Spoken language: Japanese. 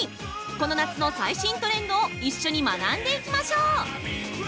この夏の最新トレンドを一緒に学んでいきましょう！